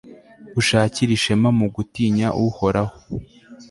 ushakire ishema mu gutinya uhoraho